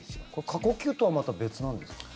過呼吸とはまた別なんですか？